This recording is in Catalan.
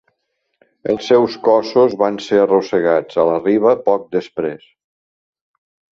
Els seus cossos van ser arrossegats a la riba poc després.